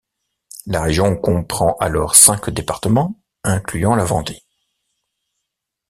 La région comprend alors cinq départements, incluant la Vendée.